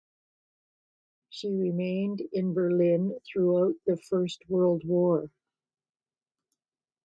She remained in Berlin throughout the First World War.